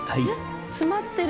詰まってる。